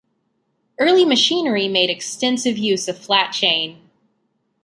Early machinery made extensive use of flat chain.